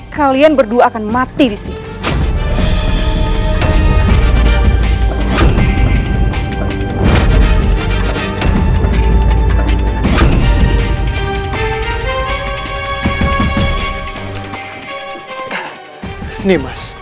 kalian berdua akan mati disini